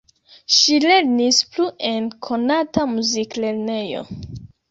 Ŝi lernis plu en konata muziklernejo.